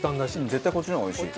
絶対こっちの方がおいしい。